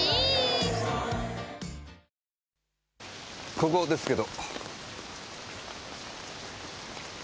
ここですけど。